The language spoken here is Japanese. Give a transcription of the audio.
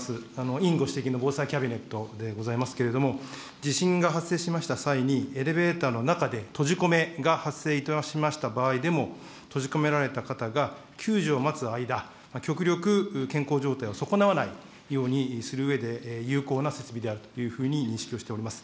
委員ご指摘の防災キャビネットでございますけれども、地震が発生しました際に、エレベーターの中で閉じ込めが発生いたしました場合でも、閉じ込められた方が救助を待つ間、極力健康状態を損なわないようにするうえで有効な設備であるというふうに認識をしております。